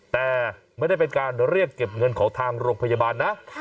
แต่ไม่ได้เป็นการเรียกเก็บเงินของทางโรงพยาบาลนะ